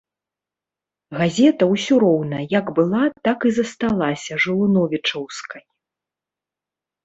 Газета ўсё роўна як была так і засталася жылуновічаўскай.